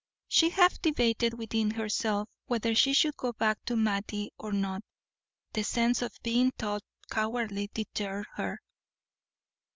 She half debated within herself whether she should go back to Mattie or not. The sense of being thought cowardly deterred her.